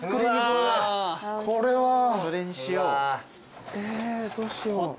えどうしよう。